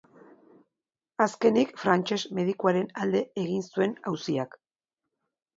Azkenik, frantses medikuaren alde egin zuen auziak.